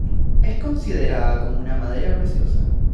Es considerada como una madera preciosa.